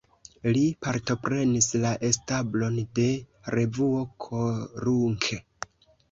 Li partoprenis la establon de revuo "Korunk".